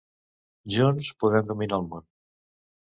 Junts, podem dominar el món!